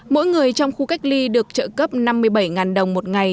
mỗi người trong khu cách ly được trợ cấp năm mươi bảy đồng một ngày